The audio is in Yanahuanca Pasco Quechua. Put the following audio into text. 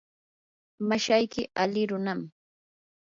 mashayki ali runam.